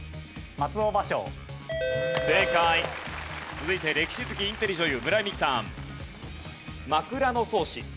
続いて歴史好きインテリ女優村井美樹さん。